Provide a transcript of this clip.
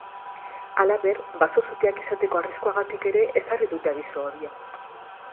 Halaber, baso-suteak izateko arriskuagatik ere ezarri dute abisu horia.